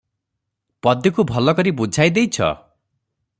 "ପଦୀକୁ ଭଲକରି ବୁଝାଇ ଦେଇଛ?"